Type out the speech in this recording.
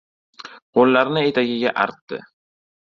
Qo‘llarini etagiga artdi.